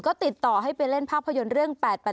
ก็ติดต่อให้ไปเล่นภาพยนตร์เรื่อง๘๘